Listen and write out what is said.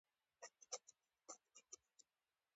چا ګل او نه ګلزار لیدلی دی.